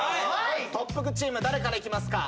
特服チーム誰からいきますか？